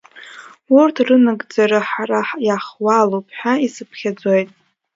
Урҭ рынагӡара ҳара иахуалуп ҳәа исыԥхьаӡоит.